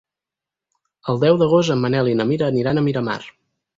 El deu d'agost en Manel i na Mira aniran a Miramar.